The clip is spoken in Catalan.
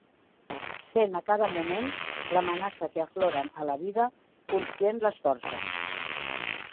Sent a cada moment l'amenaça que afloren a la vida conscient les forces.